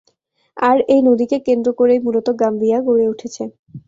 আর এই নদীকে কেন্দ্র করেই মূলত গাম্বিয়া গড়ে উঠেছে।